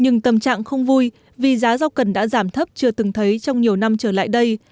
nhưng tâm trạng không vui vì giá rau cần đã giảm thấp chưa từng thấy trong nhiều năm trở lại đây